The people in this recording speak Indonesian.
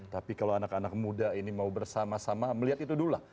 tapi kalau anak anak muda ini mau bersama sama melihat itu dulu lah